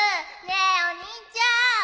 ねえお兄ちゃん！